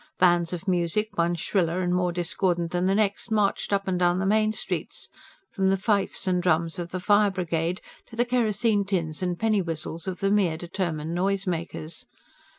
Bands of music, one shriller and more discordant than the next, marched up and down the main streets from the fifes and drums of the Fire Brigade, to the kerosene tins and penny whistles of mere determined noise makers.